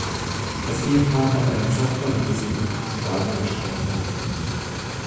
Das Ehepaar hat eine Tochter und lebt im Wiesbadener Stadtteil Biebrich.